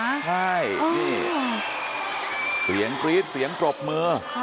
ใช่นี่เสียงกรี๊ดเสียงปรบมือ